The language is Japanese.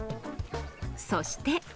そして。